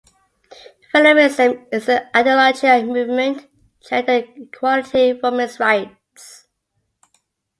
feminism ایک نظریہ اور تحریک ہے جو صنفی برابری، خواتین کے حقوق